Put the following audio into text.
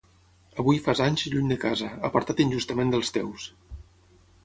Avui fas anys lluny de casa, apartat injustament dels teus.